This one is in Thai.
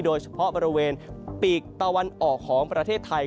โดยเฉพาะบริเวณปีกตะวันออกของประเทศไทย